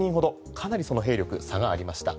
かなりその兵力差がありました。